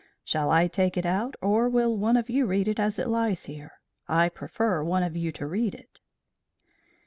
"Shall I take it out? Or will one of you read it as it lies here? I prefer one of you to read it."